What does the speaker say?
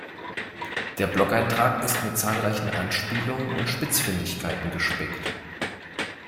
Der Blogeintrag ist mit zahlreichen Anspielungen und Spitzfindigkeiten gespickt.